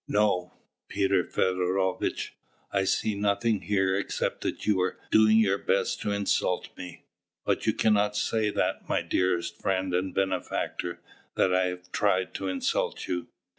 "No, Peter Feodorovitch, I see nothing here except that you are doing your best to insult me." "But you cannot say that, my dearest friend and benefactor, that I have tried to insult you.